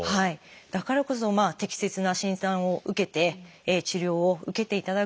だからこそ適切な診断を受けて治療を受けていただく。